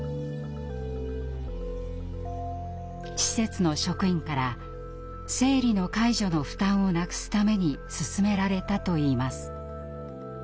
施設の職員から生理の介助の負担をなくすためにすすめられたといいます。